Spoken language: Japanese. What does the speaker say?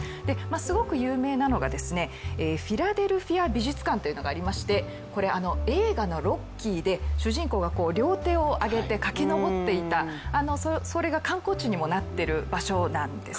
すごく有名なのがフィラデルフィア美術館というのがありまして映画の「ロッキー」で主人公が両手を挙げて駆け上っていた、それが観光地にもなっている場所なんですね。